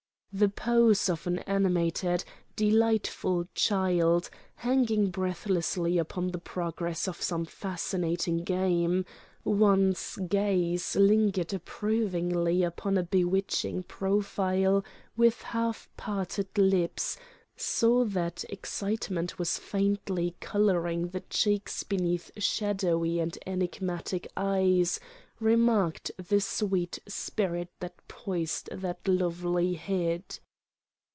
The pose of an animated, delightful child, hanging breathlessly upon the progress of some fascinating game: one's gaze lingered approvingly upon a bewitching profile with half parted lips, saw that excitement was faintly colouring the cheeks beneath shadowy and enigmatic eyes, remarked the sweet spirit that poised that lovely head.